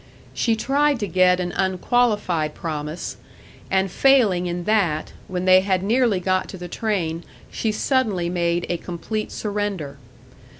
She tried to get an unqualified promise; and failing in that, when they had nearly got to the train she suddenly made a complete surrender.